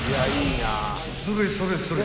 ［それそれそれ］